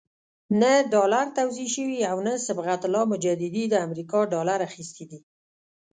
نه ډالر توزیع شوي او نه صبغت الله مجددي د امریکا ډالر اخیستي دي.